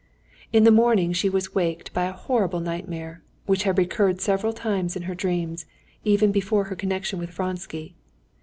In the morning she was waked by a horrible nightmare, which had recurred several times in her dreams, even before her connection with Vronsky.